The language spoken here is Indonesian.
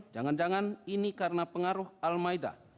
jangan jangan ini karena pengaruh al maida